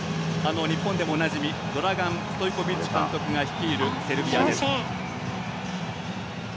日本でもおなじみドラガン・ストイコビッチ監督が率いるセルビアです。